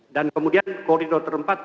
dan kemudian koridor terempat